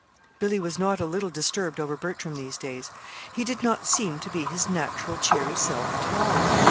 Billy was not a little disturbed over Bertram these days. He did not seem to be his natural, cheery self at all.